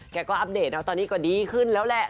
แกก็อัปเดตนะตอนนี้ก็ดีขึ้นแล้วแหละ